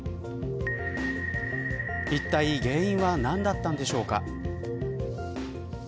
いったい原因は何だったんでしょうか。